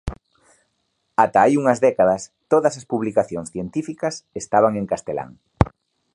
Ata hai unhas décadas todas as publicacións científicas estaban en castelán.